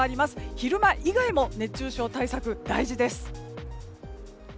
昼間以外も熱中症対策大事です。